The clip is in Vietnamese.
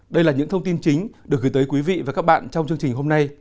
đây là những thông tin chính được gửi tới quý vị và các bạn trong chương trình hôm nay